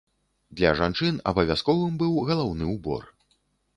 Для жанчын абавязковым быў галаўны ўбор.